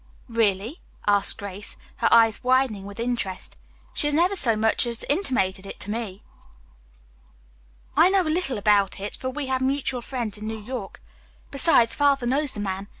"Really?" asked Grace, her eyes widening with interest. "She has never so much as intimated it to me." "I know a little about it, for we have mutual friends in New York. Besides, Father knows the man.